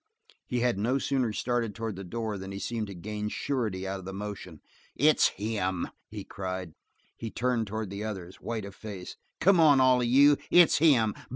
He had no sooner started toward the door than he seemed to gain surety out of the motion. "It's him!" he cried. He turned toward the others, white of face. "Come on, all of you! It's him!